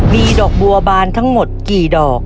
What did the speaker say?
มีดอกบัวบานทั้งหมดกี่ดอก